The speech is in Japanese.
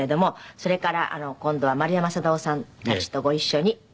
それから今度は丸山定夫さんたちとご一緒に。